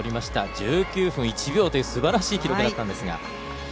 １９分１秒というすばらしい記録だったんですが。